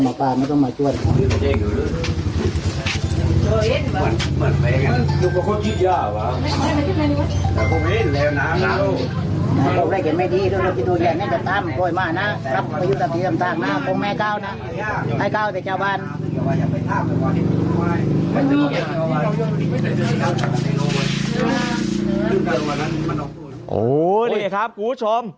โหหนึ่งสิครับคุณผู้ชม